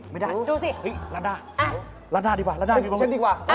ไม่ได้รัสด้าอีกว่าเช่นดีกว่าเลือกเลย